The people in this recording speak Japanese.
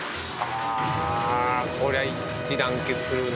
あこりゃ一致団結するな。